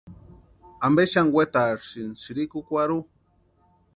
¿Ampe xani wetarsïni sïrikukwarhu?